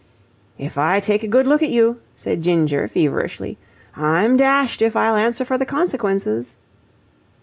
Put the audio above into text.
"If I take a good look at you," said Ginger, feverishly, "I'm dashed if I'll answer for the consequences."